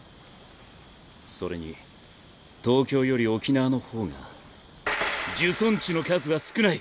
それに東京より沖縄の方が呪詛人の数は少ない！